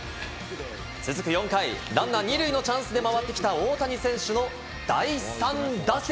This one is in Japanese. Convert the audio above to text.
続く４回、ランナー２塁のチャンスで回ってきた大谷選手の第３打席。